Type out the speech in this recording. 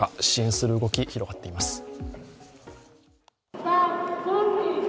支援する動き、広がっています。